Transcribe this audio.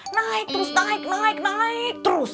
naik terus naik naik naik terus